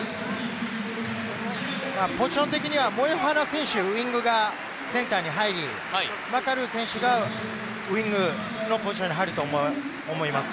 ポジション的には、ウイングがセンターに入り、マカルー選手がウイングのポジションに入ると思います。